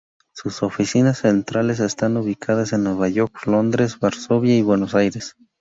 Sus oficinas centrales están ubicadas en Nueva York, Londres, Varsovia y Buenos Aires.